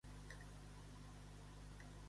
Quin costum catalana fictícia menciona?